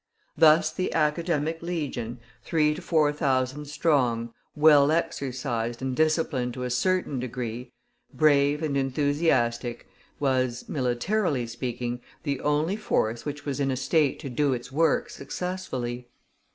Thus the Academic Legion, three to four thousand strong, well exercised and disciplined to a certain degree, brave and enthusiastic, was, militarily speaking, the only force which was in a state to do its work successfully.